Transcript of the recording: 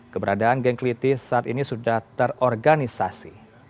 keberadaan geng keliti saat ini sudah terorganisasi